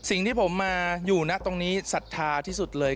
สิ่งที่ผมมาอยู่นะตรงนี้ศรัทธาที่สุดเลย